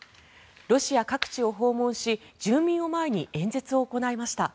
ロシア各地を訪問し住民を前に演説を行いました。